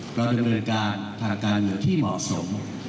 เพราะโดยเวลาการทางการเหลือที่เหมาะสม